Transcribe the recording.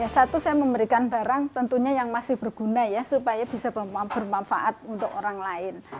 satu saya memberikan barang tentunya yang masih berguna ya supaya bisa bermanfaat untuk orang lain